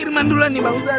irman duluan ini mahu saya